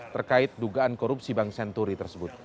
terkait dugaan korupsi bank senturi tersebut